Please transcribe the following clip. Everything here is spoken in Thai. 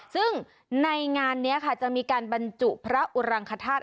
ซึ่งในงานนี้ค่ะจะมีการบรรจุพระอุรังคธาตุ